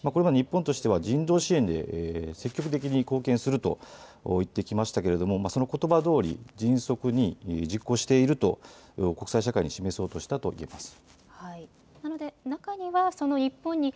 これは日本としては人道支援で積極的に貢献すると言ってきましたけれどもそのことばどおり迅速に実行していると国際社会に示そうとしたと思います。